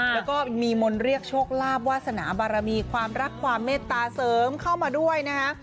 แล้วก็มีมนต์เรียกโชคลาภวาสนาบารมีความรักความเมตตาเสริมเข้ามาด้วยนะคะ